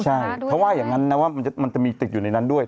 ใช่เขาว่าอย่างนั้นนะว่ามันจะมีติดอยู่ในนั้นด้วย